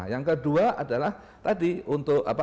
yang kedua adalah tadi untuk